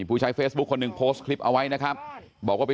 ผู้ใช้เฟซบุ๊คคนหนึ่งโพสต์คลิปเอาไว้นะครับบอกว่าไป